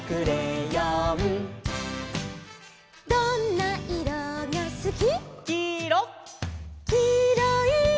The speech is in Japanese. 「どんないろがすき」「」